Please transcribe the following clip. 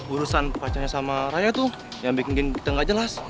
urusan pacarnya sama raya itu yang bikin kita gak jelas